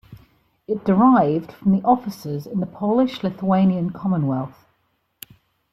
It derived from the offices in the Polish-Lithuanian Commonwealth.